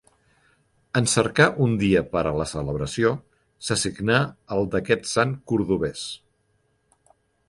En cercar un dia per a la celebració, s'assignà el d'aquest sant cordovès.